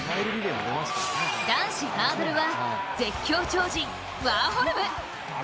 男子ハードルは、絶叫超人ワーホルム。